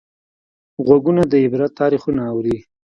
غوږونه د عبرت تاریخونه اوري